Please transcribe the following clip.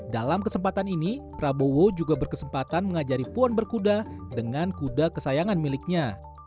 dalam kesempatan ini prabowo juga berkesempatan mengajari puan berkuda dengan kuda kesayangan miliknya